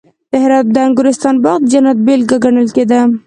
د هرات د انګورستان باغ د جنت بېلګه ګڼل کېده